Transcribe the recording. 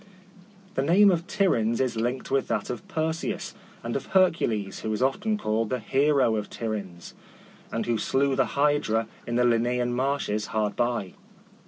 The name of Tiryns is linked with that of Perseus, and of Hercules, who is often called the "hero of Tiryns," and who slew the Hydra in the Ler nsean marshes hard by.